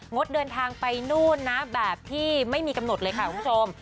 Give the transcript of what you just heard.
ดเดินทางไปนู่นนะแบบที่ไม่มีกำหนดเลยค่ะคุณผู้ชม